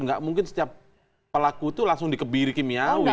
nggak mungkin setiap pelaku itu langsung dikebiri kimiawi